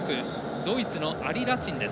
ドイツのアリ・ラチンです。